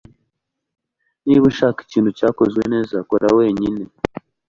Niba ushaka ikintu cyakozwe neza, kora wenyine.